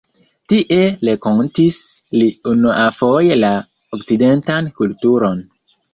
Tie renkontis li unuafoje la okcidentan kulturon.